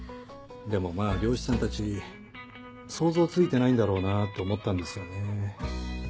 でもまぁ漁師さんたち想像ついてないんだろうなって思ったんですよね。